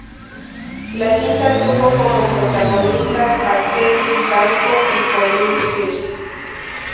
La cinta tuvo como protagonistas a Kevin Bacon y Colin Firth.